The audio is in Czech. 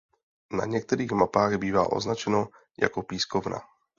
Na některých mapách bývá označeno jako Pískovna.